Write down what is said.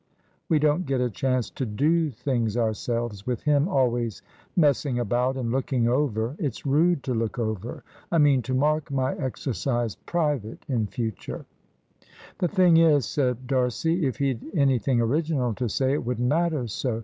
We don't get a chance to do things ourselves, with him always messing about and looking over. It's rude to look over. I mean to mark my exercise private in future." "The thing is," said D'Arcy, "if he'd anything original to say it wouldn't matter so.